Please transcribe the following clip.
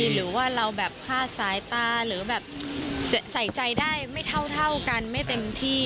หรือว่าเราแบบพลาดสายตาหรือแบบใส่ใจได้ไม่เท่ากันไม่เต็มที่